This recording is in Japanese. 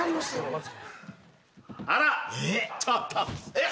えっ？